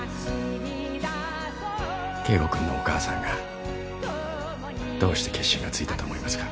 圭吾君のお母さんがどうして決心がついたと思いますか？